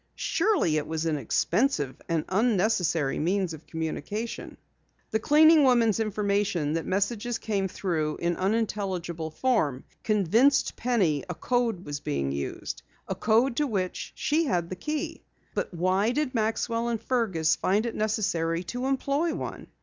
Surely it was an expensive and unnecessary means of communication. The cleaning woman's information that messages came through in unintelligible form convinced Penny a code was being used a code to which she had the key. But why did Maxwell and Fergus find it necessary to employ one?